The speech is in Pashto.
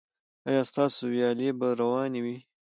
ایا ستاسو ویالې به روانې وي؟